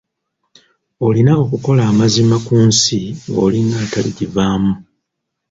Olina okukola amazima ku nsi ng'olinga ataligivaamu.